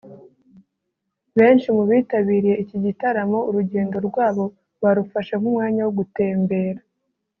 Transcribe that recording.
Benshi mu bitabiriye iki gitaramo urugendo rwabo barufashe nk’umwanya wo gutembera